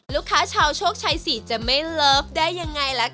ลูกค้าชาวโชคชัยสี่จะไม่เลิฟได้ยังไงล่ะคะ